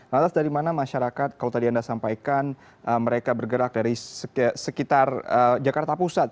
lantas dari mana masyarakat kalau tadi anda sampaikan mereka bergerak dari sekitar jakarta pusat